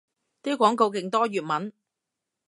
啲廣告勁多粵文